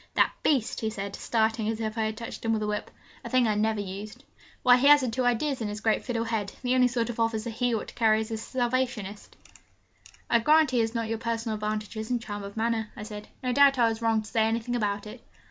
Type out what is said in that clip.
'That beast!' he said, starting as if I had touched him with a whip a thing I never used 'why, he hasn't two ideas in his great fiddle head. The only sort of officer he ought to carry is a Salvationist!' 'I grant he has not your personal advantages and charm of manner,' I said. 'No doubt I was wrong to say anything about it.'